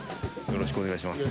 よろしくお願いします。